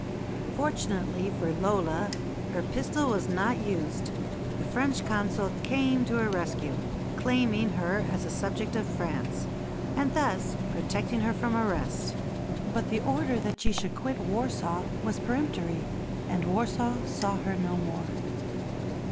Fortunately for Lola, her pistol was not used. The French Consul came to her rescue, claiming her as a subject of France, and thus protecting her from arrest. But the order that she should quit Warsaw was peremptory, and Warsaw saw her no more.